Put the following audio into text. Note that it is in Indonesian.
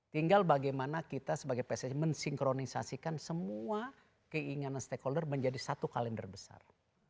tinggal bagaimana kita sebagai pssi mensinkronisasikan semua keinginan stakeholder menjadi satu kalender besar